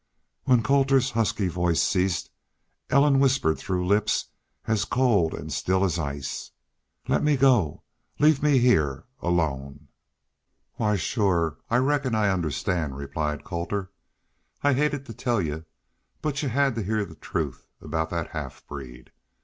When Colter's husky voice ceased Ellen whispered through lips as cold and still as ice, "Let me go ... leave me heah alone!" "Why, shore! I reckon I understand," replied Colter. "I hated to tell y'u. But y'u had to heah the truth aboot that half breed....